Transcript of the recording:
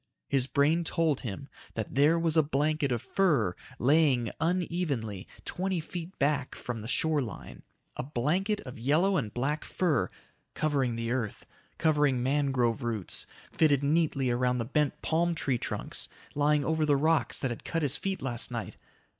His brain told him that there was a blanket of fur laying unevenly twenty feet back from the shore line. A blanket of yellow and black fur ... covering the earth, covering mangrove roots, fitted neatly around the bent palm tree trunks, lying over the rocks that had cut his feet last night